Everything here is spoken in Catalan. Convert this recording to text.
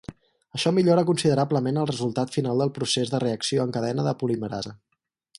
Això millora considerablement el resultat final del procés de reacció en cadena de polimerasa.